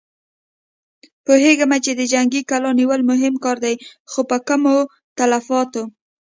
پوهېږم چې د جنګي کلا نيول مهم کار دی، خو په کمو تلفاتو.